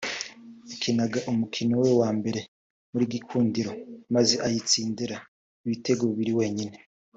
yakinaga umukino we wa Mbere muri Gikundiro maze ayitsindira ibitego bibiri wenyine